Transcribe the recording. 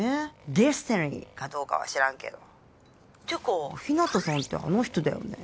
Ｄｅｓｔｉｎｙかどうかは知らんけどてか日向さんってあの人だよね